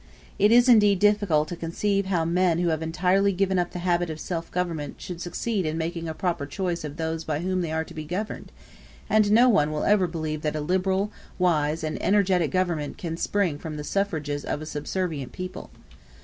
It is, indeed, difficult to conceive how men who have entirely given up the habit of self government should succeed in making a proper choice of those by whom they are to be governed; and no one will ever believe that a liberal, wise, and energetic government can spring from the suffrages of a subservient people.